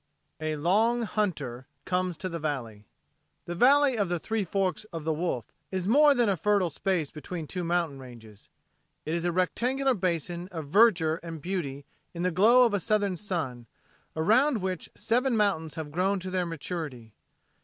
II A "Long Hunter" Comes to the Valley The "Valley of the Three Forks o' the Wolf" is more than a fertile space between two mountain ranges. It is a rectangular basin of verdure and beauty in the glow of a Southern sun, around which seven mountains have grown to their maturity.